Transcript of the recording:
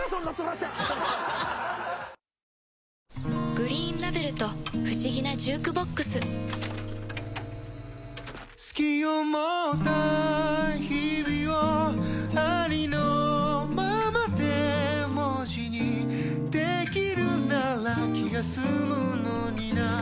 「グリーンラベル」と不思議なジュークボックス“好き”を持った日々をありのままで文字にできるなら気が済むのにな